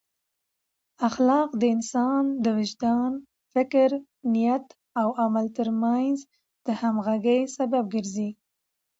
اخلاق د انسان د وجدان، فکر، نیت او عمل ترمنځ د همغږۍ سبب ګرځي.